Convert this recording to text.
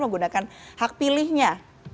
menggunakan hak pilihnya